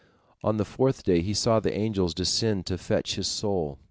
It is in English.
On the fourth day he saw the angels descend to fetch his soul.